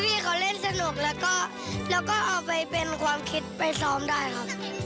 พี่เขาเล่นสนุกแล้วก็เอาไปเป็นความคิดไปซ้อมได้ครับ